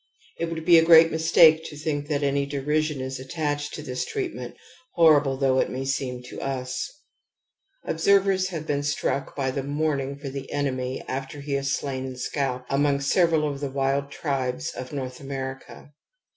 It would be a great mistake to think that any derision is attached to this treatment, horrible though it may seem to us^^. Observers have been struck by the mourning for the enemy after he is slain and scalped, among several of the wild tribe of North America